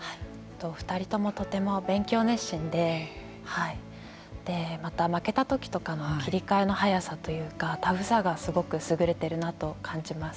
２人ともとても勉強熱心で負けた時とかの切り替えの早さというかタフさがすごく優れているなと感じます。